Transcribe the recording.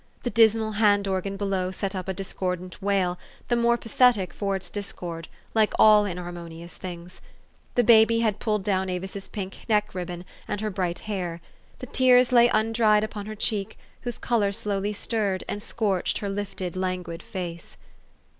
The dismal hand organ below set up a discordant wail, the more pathetic for its discord, like all inharmoni ous things. The baby had pulled down Avis's pink neck ribbon and her bright hair. The tears lay un dried upon her cheek, whose color slowly stirred, and scorched her lifted, languid face.